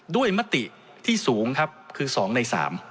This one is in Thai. มติที่สูงครับคือ๒ใน๓